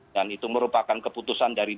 dan itu merupakan keputusan dari dpp